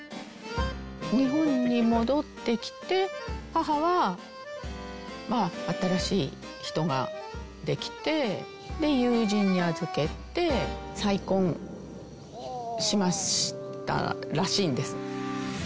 日本に戻ってきて、母は新しい人が出来て、友人に預けて、再婚しましたらしいんです。